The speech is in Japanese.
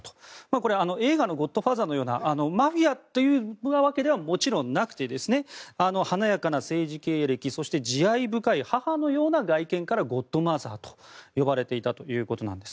これは映画の「ゴッドファーザー」のようなマフィアというわけではもちろんなくて華やかな政治経歴慈愛深い、母のような外見からゴッドマザーと呼ばれていたということです。